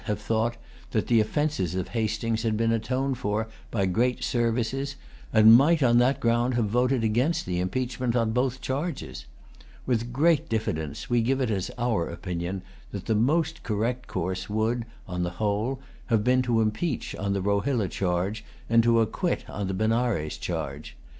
Such a man might have thought that the offences of Hastings had been atoned for by great services, and might, on that ground, have voted against the impeachment, on both charges. With great diffidence, we give it as our opinion that the most correct course would, on the whole, have been to impeach on the Rohilla charge, and to acquit on the Benares charge.